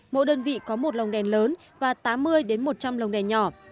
mỗi đơn vị có một lồng đèn lớn và tám mươi một trăm linh lồng đèn nhỏ